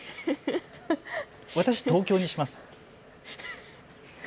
私、東京にします。